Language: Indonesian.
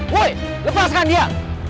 woi lepaskan dia